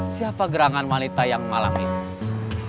siapa gerangan wanita yang malam ini